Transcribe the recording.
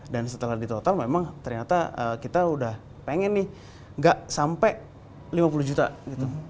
dan setelah di total memang ternyata kita udah pengen nih gak sampai lima puluh juta gitu